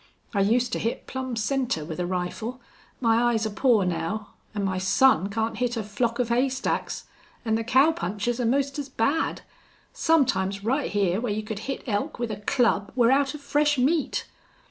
I used to hit plumb center with a rifle. My eyes are pore now. An' my son can't hit a flock of haystacks. An' the cowpunchers are 'most as bad. Sometimes right hyar where you could hit elk with a club we're out of fresh meat."